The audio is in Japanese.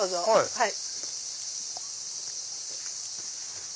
はい。